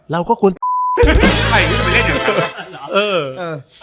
เราก็ควรคือไปเล่นอยู่